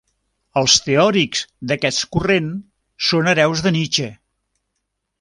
Els teòrics d'aquest corrent són hereus de Nietzsche.